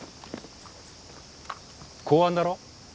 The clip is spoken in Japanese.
公安だろ？